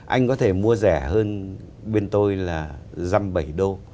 anh có thể mua rẻ hơn bên tôi là dăm bảy đô